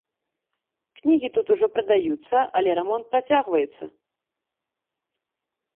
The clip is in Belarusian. Кнігі тут ужо прадаюцца, але і рамонт працягваецца.